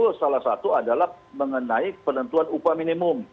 dan itu salah satu adalah mengenai penentuan upah minimum